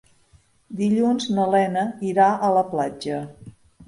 Dilluns na Lena irà a la platja.